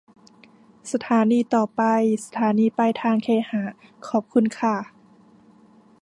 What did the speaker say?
สถานีต่อไป สถานีปลายทางเคหะ ขอบคุณค่ะ